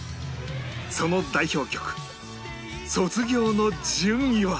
その代表曲『卒業』の順位は？